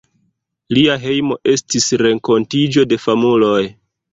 Lia hejmo estis renkontiĝo de famuloj.